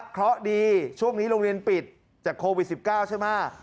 เพราะดีช่วงนี้โรงเรียนปิดจากโควิด๑๙ใช่ไหม